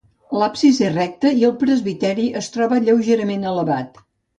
L'absis és recte i el presbiteri es troba lleugerament elevat.